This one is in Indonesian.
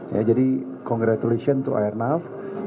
ya jadi congratulations to ernauf